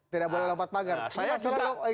tidak boleh lompat pagar